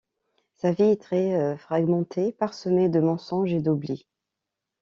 Sa vie est très fragmentée, parsemée de mensonges et d'oublis.